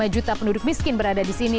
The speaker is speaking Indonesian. lima juta penduduk miskin berada di sini